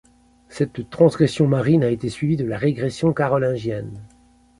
Cette transgression marine a été suivie de la régression carolingienne.